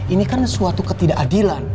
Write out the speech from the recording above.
ini kan suatu ketidakadilan